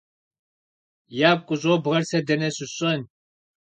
- Ягу къыщӏобгъэр сэ дэнэ щысщӏэн?